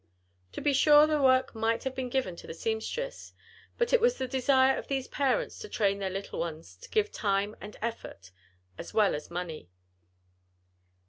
To be sure the work might have been given to the seamstress, but it was the desire of these parents to train their little ones to give time and effort as well as money.